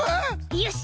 よし！